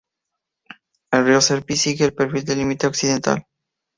El río Serpis sigue el perfil del límite occidental.